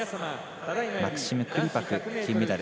マクシム・クリパク金メダル。